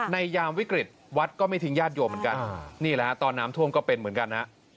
ยามวิกฤตวัดก็ไม่ทิ้งญาติโยมเหมือนกันนี่แหละฮะตอนน้ำท่วมก็เป็นเหมือนกันฮะ